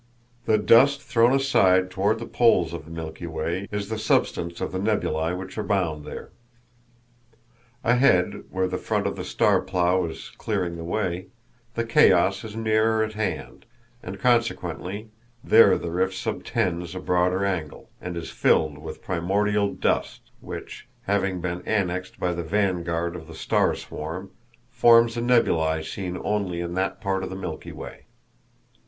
The dust thrown aside toward the poles of the Milky Way is the substance of the nebulæ which abound there. Ahead, where the front of the star plough is clearing the way, the chaos is nearer at hand, and consequently there the rift subtends a broader angle, and is filled with primordial dust, which, having been annexed by the vanguard of the star swarm, forms the nebulæ seen only in that part of the Milky Way.